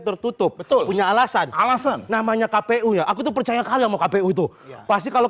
tertutup betul punya alasan alasan namanya kpu ya aku tuh percaya kalian mau kpu itu pasti kalau